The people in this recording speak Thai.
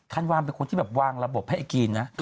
ธันวามเป็นคนที่แบบวางระบบให้ไอจีนนะ